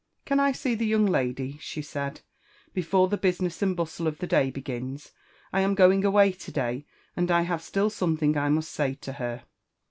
*'Can I see the young lady," she said, befom the basiMBS aad bustie of the day begins? — I am going away to day, aad I have §Uli something I must say to her."